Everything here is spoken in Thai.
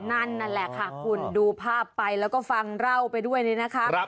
นั่นแหละค่ะคุณดูภาพไปแล้วก็ฟังเล่าไปด้วยนี่นะคะ